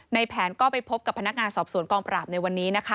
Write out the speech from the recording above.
ในแผนก็ไปพบกับพนักงานสอบสวนกองปราบในวันนี้นะคะ